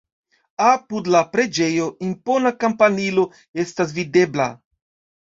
Apud la preĝejo impona kampanilo estas videbla.